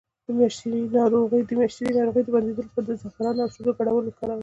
د میاشتنۍ ناروغۍ د بندیدو لپاره د زعفران او شیدو ګډول وکاروئ